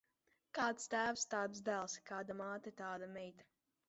Kāds tēvs, tāds dēls; kāda māte, tāda meita.